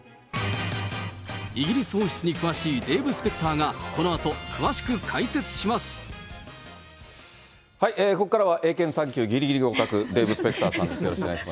イギリス王室に詳しいデーブ・スペクターが、このあと詳しく解説ここからは、英検３級ぎりぎり合格、デーブ・スペクターさんです。